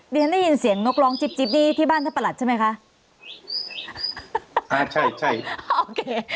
เรียนได้ยินเสียงนกร้องจิ๊บจิ๊บนี่ที่บ้านท่านประหลัดใช่ไหมคะอ่าใช่ใช่โอเค